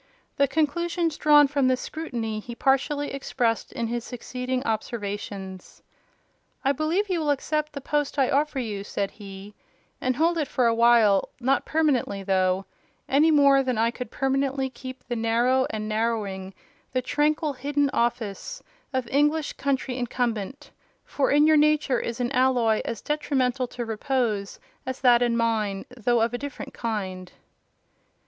The conclusions drawn from this scrutiny he partially expressed in his succeeding observations. "I believe you will accept the post I offer you," said he, "and hold it for a while: not permanently, though: any more than I could permanently keep the narrow and narrowing—the tranquil, hidden office of English country incumbent; for in your nature is an alloy as detrimental to repose as that in mine, though of a different kind."